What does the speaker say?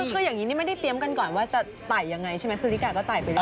คืออย่างนี้นี่ไม่ได้เตรียมกันก่อนว่าจะไต่ยังไงใช่ไหมคือลิกาก็ไต่ไปด้วย